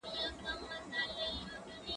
زه اوس اوبه پاکوم؟!